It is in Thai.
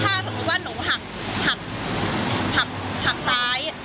ถ้าสมมุติว่าหนูหักหักซ้าย